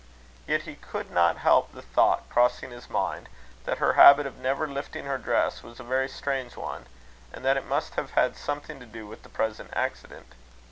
Yet he could not help the thought crossing his mind, that her habit of never lifting her dress was a very strange one, and that it must have had something to do with the present accident.